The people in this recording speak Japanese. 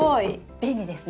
便利ですね。